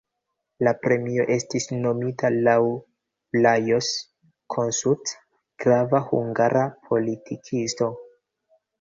La premio estis nomita laŭ Lajos Kossuth, grava hungara politikisto.